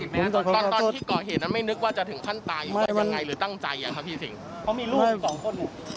ตอนที่ก่อเหตุนั้นไม่นึกว่าจะถึงขั้นตายหรือเป็นไรหรือตั้งใจครับพี่สิ่ง